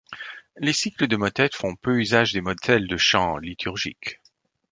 Les cycles de motets font peu usage des modèles de chant liturgique.